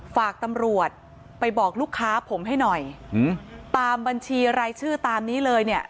ฝากตำรวจไปบอกลูกค้าผมให้หน่อยตามบัญชีรายชื่อตามนี้เลยเนี่ย